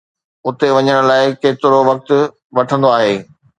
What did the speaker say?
اتي وڃڻ لاء ڪيترو وقت وٺندو آهي؟